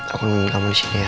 aku nungguin kamu disini ya